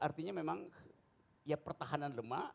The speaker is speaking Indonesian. artinya memang ya pertahanan lemak